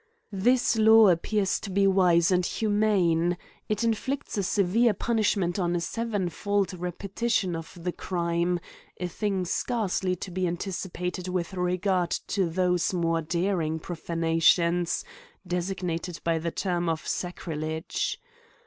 177 This law appears to be wise and humane ; it inflicts a severe punishment on a sevenfold repe tition of the crime, a thing scarcely to be antici pated with regard to those more daring profana tions designated by the term of sacrilege.